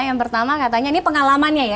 yang pertama katanya ini pengalamannya ya